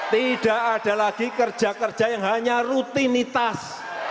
tidak ada lagi kerja kerja yang hanya rutinitas